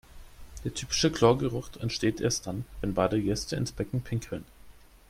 Der typische Chlorgeruch entsteht erst dann, wenn Badegäste ins Becken pinkeln.